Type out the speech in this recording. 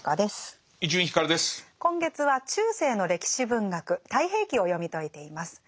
今月は中世の歴史文学「太平記」を読み解いています。